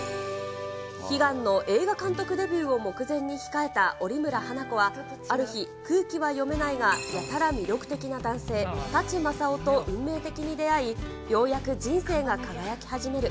悲願の映画監督デビューを目前に控えた折村花子はある日、空気は読めないが、やたら魅力的な男性、舘正夫と運命的に出会い、ようやく人生が輝き始める。